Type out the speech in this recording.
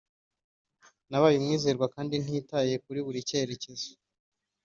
nabaye umwizerwa kandi ntitaye kuri buri cyerekezo